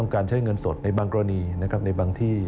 การใช้เงินสดในบางกรณีในบางที่